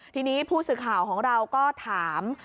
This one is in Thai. ทีนี้ผู้สื่อข่าวของเราก็ถาม